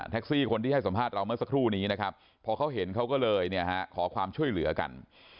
ซี่คนที่ให้สัมภาษณ์เราเมื่อสักครู่นี้นะครับพอเขาเห็นเขาก็เลยเนี่ยฮะขอความช่วยเหลือกัน